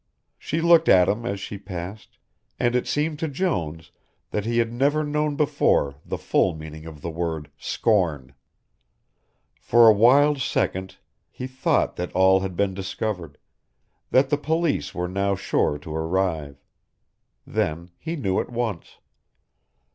She looked at him as she passed, and it seemed to Jones that he had never known before the full meaning of the word "scorn." For a wild second he thought that all had been discovered, that the police were now sure to arrive. Then he knew at once.